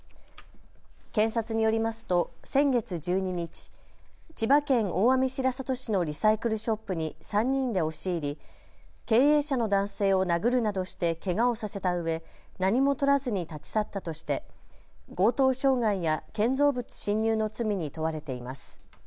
検察によりますと先月１２日、千葉県大網白里市のリサイクルショップに３人で押し入り経営者の男性を殴るなどしてけがをさせたうえ何も取らずに立ち去ったとして強盗傷害や建造物侵入の罪に問われています。